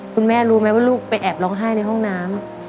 คุณแม่รู้ไหมว่าลูกไปแอบร้องไห้ในห้องน้ำ